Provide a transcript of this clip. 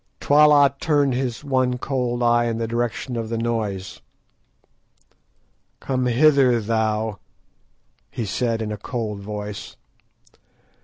Twala turned his one cold eye in the direction of the noise. "Come hither, thou," he said, in a cold voice.